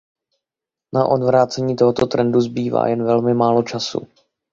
Na odvrácení tohoto trendu zbývá jen velmi málo času.